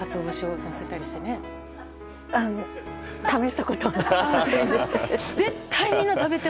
食べたことない。